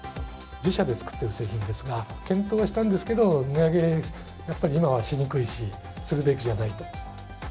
自社で作っている製品ですが、検討はしたんですけど、値上げ、やっぱり今はしにくいし、するべきじゃないと。